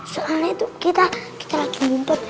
soalnya itu kita lagi ngumpul